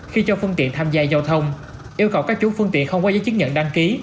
khi cho phương tiện tham gia giao thông yêu cầu các chủ phương tiện không có giấy chứng nhận đăng ký